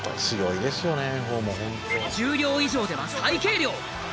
十両以上では最軽量。